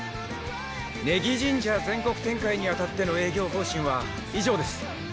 ネギジンジャー全国展開に当たっての営業方針は以上です。